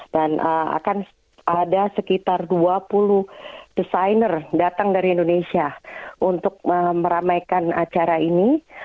dan akan ada sekitar dua puluh desainer datang dari indonesia untuk meramaikan acara ini